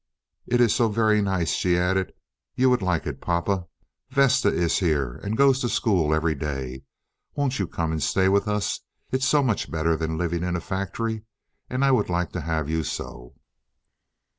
"It is so very nice," she added, "you would like it, papa. Vesta is here and goes to school every day. Won't you come and stay with us? It's so much better than living in a factory. And I would like to have you so."